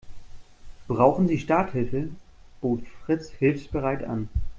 Brauchen Sie Starthilfe?, bot Fritz hilfsbereit an.